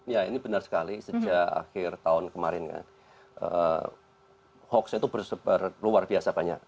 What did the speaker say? ya ini benar sekali sejak akhir tahun kemarin kan hoax itu bersebar luar biasa banyak